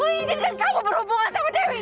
meningin kamu berhubungan sama dewi